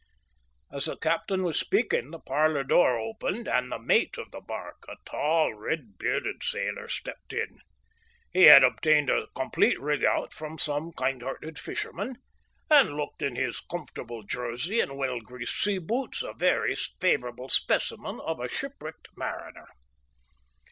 As the captain was speaking the parlour door opened and the mate of the barque, a tall, red bearded sailor, stepped in. He had obtained a complete rig out from some kind hearted fisherman, and looked in his comfortable jersey and well greased seaboots a very favourable specimen of a shipwrecked mariner.